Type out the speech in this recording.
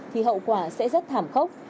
thì hậu quả sẽ rất thảm khốc